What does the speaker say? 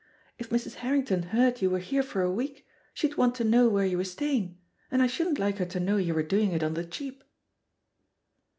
If Mrs. Harrington heard you were here for a week, she'd want to know where you were staying, and I shouldn't like her to know you were doing it on the cheap."